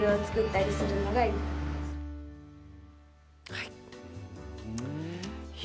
はい。